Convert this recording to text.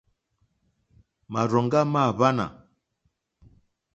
Márzòŋɡá mâ hwánà.